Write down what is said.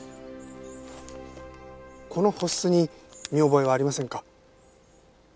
この払子に見覚えはありませんか？